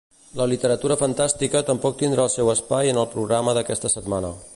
La literatura fantàstica tampoc tindrà el seu espai en el programa d'aquesta setmana.